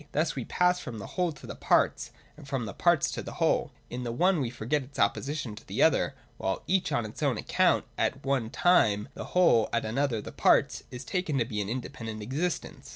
Thus we pass from the whole to the parts, and from the parts to the whole : in the one we forget its opposition to the other, while each on its own account, at one time the whole, at another the parts, is taken to be an indepen dent existence.